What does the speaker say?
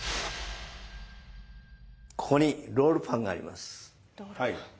ここにロールパンがあります。